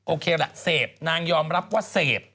โอเคแหละเสพนางยอมรับว่าเสพ